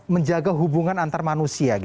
menjaga hubungan antar manusia